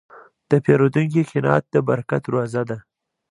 د پیرودونکي قناعت د برکت دروازه ده.